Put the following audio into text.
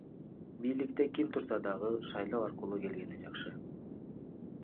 Бийликте ким турса дагы, шайлоо аркылуу келгени жакшы.